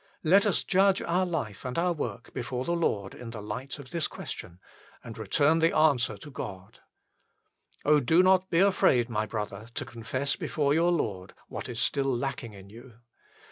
Let us judge our life and our work before the Lord in the light of this question, and return the answer to God. do not be afraid, my brother, to confess before your Lord what is still lacking in you.